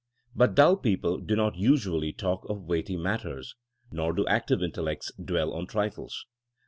But dull people do not usually talk of weighty matters, nor do active intellects dwell long on trifles.